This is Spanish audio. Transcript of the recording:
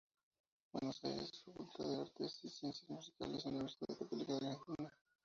Buenos Aires: Facultad de Artes y Ciencias Musicales, Universidad Católica Argentina.